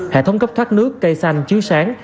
hệ thống cấp thoát nước cây xanh chiếu sáng